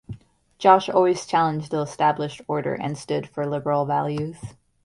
Josh always challenged the established order and stood for liberal values.